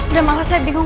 udah malah saya bingung